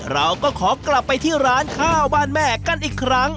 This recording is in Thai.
เราก็ขอกลับไปที่ร้านข้าวบ้านแม่กันอีกครั้ง